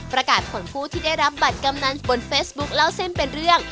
ประกาศผลผู้ที่ได้รับบัตรกำนันบนเฟซบุ๊คเล่าเส้นเป็นเรื่อง